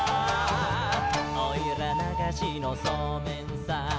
「おいらながしのそうめんさ」